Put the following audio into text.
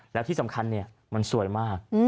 แล้วที่สำคัญมันสวยมาก